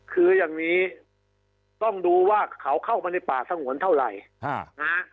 คืออย่างนี้ต้องดูว่าเขาเข้ามาในป่าสงวนเท่าไหร่นะฮะ